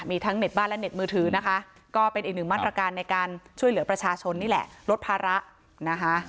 มีทั้งเน็ตบ้านและเน็ตมือถือนะคะก็เป็นอีกหนึ่งมาตรการในการช่วยเหลือประชาชนนี่แหละลดภาระนะคะ